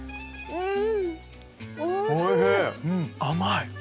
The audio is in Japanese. うん。